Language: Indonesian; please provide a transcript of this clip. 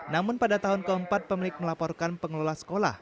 namun pada tahun keempat pemilik melaporkan pengelola sekolah